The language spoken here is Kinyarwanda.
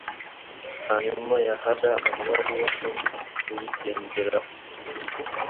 Hanyuma yahaga amabaruwa undi uyigenderaho.